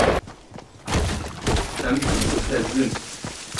Em dibezin.